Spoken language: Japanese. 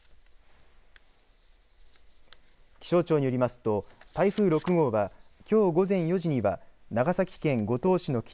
気象庁によりますと、台風６号はきょう午前４時には長崎県五島市の北